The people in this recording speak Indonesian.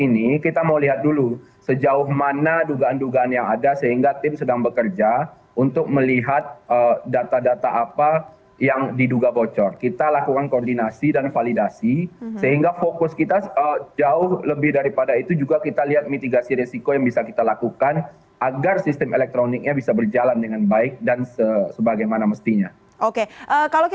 nah yang terbaru yang dinyatakan bahwa memang ini bocor begitu data milik kementerian sosial